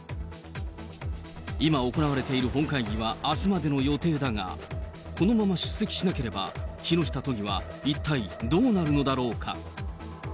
今、行われている本会議はあすまでの予定だが、このまま出席しなければ、木下都議は一体どうなるのだろうか。